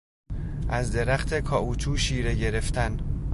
از درخت کائوچو شیره گرفتن